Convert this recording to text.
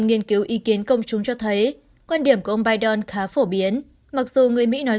nghiên cứu ý kiến công chúng cho thấy quan điểm của ông biden khá phổ biến mặc dù người mỹ nói